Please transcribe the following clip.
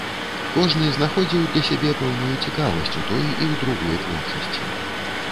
Кожны знаходзіў для сябе пэўную цікавасць і ў той, і ў другой творчасці.